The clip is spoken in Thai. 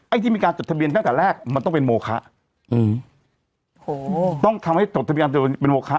ที่มีการจดทะเบียนตั้งแต่แรกมันต้องเป็นโมคะอืมโหต้องทำให้จดทะเบียนเป็นโมคะ